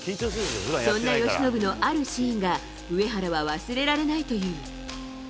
そんな由伸のあるシーンが、上原は忘れられないという。